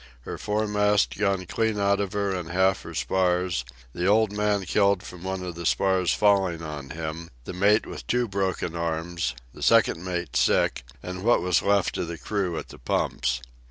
—her foremast clean gone out of her and half her spars, the old man killed from one of the spars falling on him, the mate with two broken arms, the second mate sick, and what was left of the crew at the pumps.